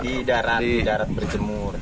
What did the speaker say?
di darat darat berjemur